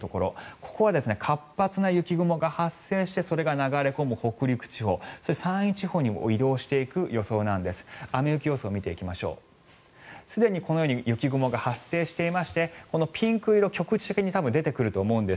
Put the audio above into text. ここは活発な雪雲が発生してそれが流れ込む北陸地方そして山陰地方にも移動していく予想なんです。